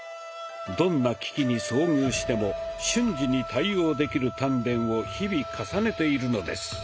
どんな危機に遭遇しても瞬時に対応できる鍛錬を日々重ねているのです。